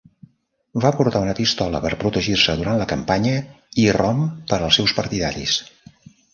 Va portar una pistola per protegir-se durant la campanya i rom per als seus partidaris.